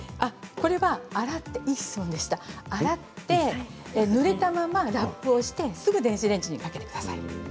これは洗ってぬれたままラップをしてすぐに電子レンジにかけてください。